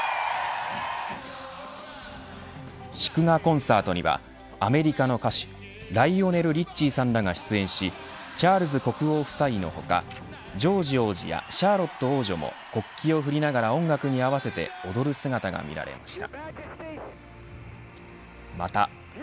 祝賀コンサートにはアメリカの歌手ライオネル・リッチーさんらが出演しチャールズ国王夫妻の他ジョージ王子やシャーロット王女も国旗を振りながら音楽に合わせて踊る姿が見られました。